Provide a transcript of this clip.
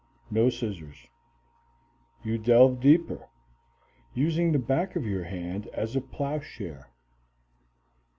No scissors. You delve deeper, using the back of your hand as a plow share.